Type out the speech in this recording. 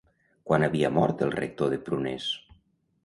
Quan havia mort el Rector de Prunés?